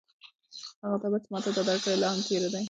هغه تبر چې ما تاته درکړی و، لا هم تېره دی؟